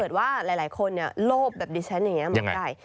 แล้วถ้าเกิดว่าหลายคนโลภแบบดิฉันอย่างนี้เหมือนกัน